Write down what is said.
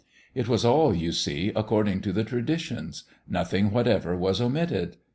It was all, you see, according to the traditions : nothing what ever was omitted.